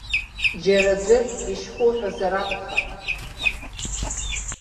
Џьара аӡәы ишьхуҳәазар акәхап?